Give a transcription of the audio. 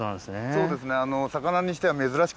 そうですね。